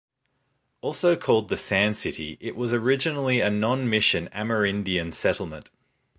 Also called "The Sand City", it was originally a non-Mission Amerindian settlement.